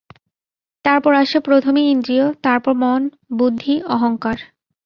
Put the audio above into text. তারপর আসে প্রথমে ইন্দ্রিয়, তারপর মন, বুদ্ধি, অহঙ্কার।